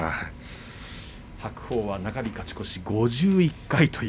白鵬は中日勝ち越し５１回